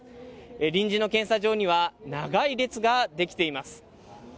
臨時の検査場には長い列が出来ています。